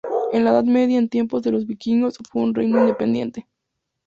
En la Edad Media en tiempos de los vikingos fue un reino independiente.